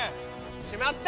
しまった！